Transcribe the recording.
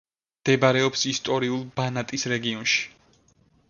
მდებარეობს ისტორიულ ბანატის რეგიონში.